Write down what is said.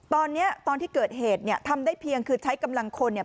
ตอนนี้ตอนที่เกิดเหตุเนี่ยทำได้เพียงคือใช้กำลังคนเนี่ย